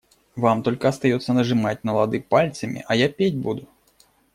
Вам только остается нажимать на лады пальцами, а я петь буду.